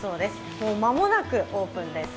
もう間もなくオープンです。